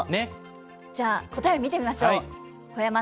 じゃあ、答え見てみましょう。